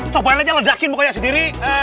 coba aja ledakin mukanya sendiri